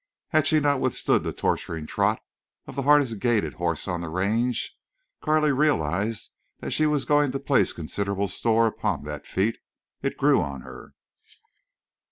Had she not withstood the torturing trot of the hardest gaited horse on the range? Carley realized she was going to place considerable store upon that feat. It grew on her.